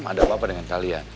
ada apa apa dengan kalian